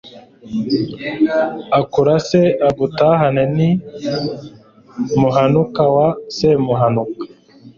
akurase agutahane ni muhanuka wa semuhanuka.